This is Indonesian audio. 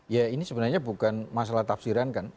ya ini sebenarnya bukan masalah tafsiran kan